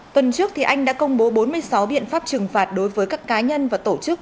tuần trước anh đã công bố bốn mươi sáu biện pháp trừng phạt đối với các cá nhân và tổ chức